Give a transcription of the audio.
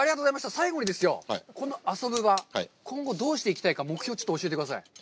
最後にですよ、このＡＳＯＢＵＢＡ、今後どうしていきたいか、目標をちょっと教えてください。